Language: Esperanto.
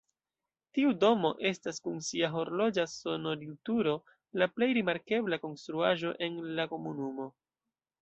Tiu domo estas kun sia horloĝa sonorilturo la plej rimarkebla konstruaĵo en la komunumo.